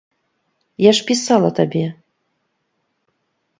Я ж пісала табе.